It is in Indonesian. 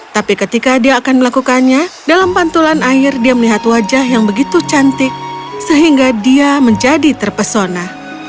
tapi ketika dia akan melakukannya dalam pantulan air dia melihat wajah yang begitu cantik sehingga dia menjadi terpesona